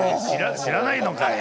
知らないのかよ。